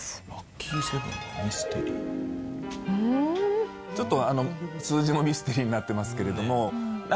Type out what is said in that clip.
ちょっと数字もミステリーになってますけれどもなかなか。